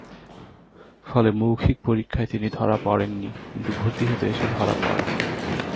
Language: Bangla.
ফলে মৌখিক পরীক্ষায় তিনি ধরা পড়েননি, কিন্তু ভর্তি হতে এসে ধরা পড়েন।